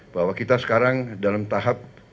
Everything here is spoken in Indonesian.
bahwa kita sekarang dalam tahap